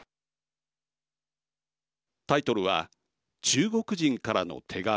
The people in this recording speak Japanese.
タイトルは中国人からの手紙。